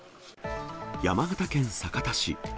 山形県酒田市。